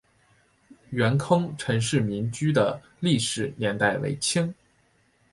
元坑陈氏民居的历史年代为清。